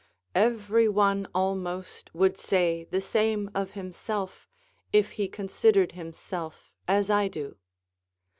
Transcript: Every one almost would say the same of himself, if he considered himself as I do.